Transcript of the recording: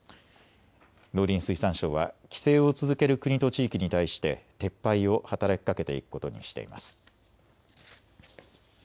農林水産省は規制を続ける国と地域に対して撤廃を働きかけていくことにしています。